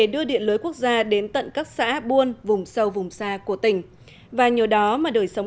đưa điện lưới quốc gia đến tận các xã buôn vùng sâu vùng xa của tỉnh và nhờ đó mà đời sống